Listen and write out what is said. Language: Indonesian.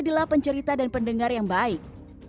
adalah pencerita dan pendengar yang baik